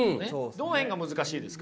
どの辺が難しいですか？